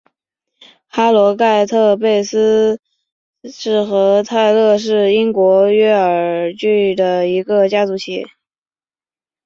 哈罗盖特贝蒂斯和泰勒是英国约克郡的一个家族企业。